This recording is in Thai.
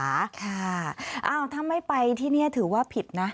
ค่ะอ้าวถ้าไม่ไปที่นี่ถือว่าผิดนะ